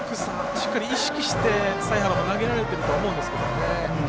しっかり意識して財原も投げられてるとは思うんですが。